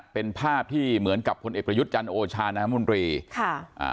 เป็นภาพที่เหมือนกับคนเอกรยุทธ์จันทร์โอชานมรีค่ะ